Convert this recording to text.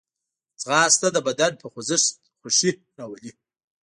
ځغاسته د بدن په خوځښت خوښي راولي